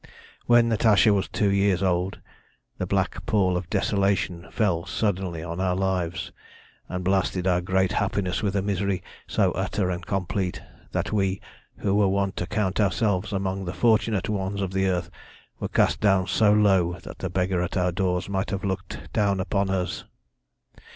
"When Natasha was two years old the black pall of desolation fell suddenly on our lives, and blasted our great happiness with a misery so utter and complete that we, who were wont to count ourselves among the fortunate ones of the earth, were cast down so low that the beggar at our doors might have looked down upon us.